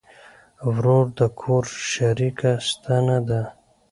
ورور د کور شریکه ستنه ده.